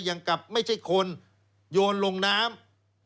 อย่างกับไม่ใช่คนโยนลงน้ำ